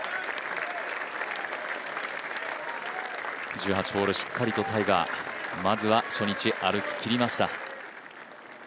１８ホール、しっかりタイガー、まずは初日歩ききりました。